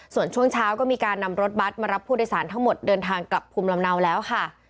ส่วนช่วงเช้าก็มีการนำรถบัตรมารับผู้โดยสารทั้งหมดเดินทางกลับภูมิลำเนาแล้วค่ะ